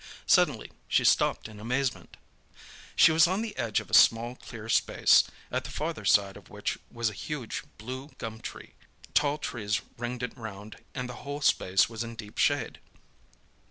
Suddenly she stopped in amazement. She was on the edge of a small clear space, at the farther side of which was a huge blue gum tree. Tall trees ringed it round, and the whole space was in deep shade.